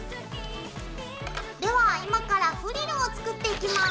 では今からフリルを作っていきます。